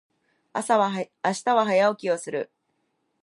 明日は早起きをする。